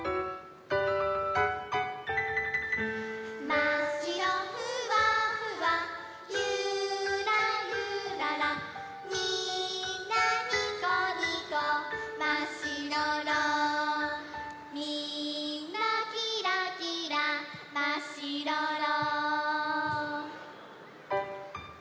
「まっしろふわふわゆーらゆらら」「みーんなにこにこまっしろろ」「みーんなきらきらまっしろろ」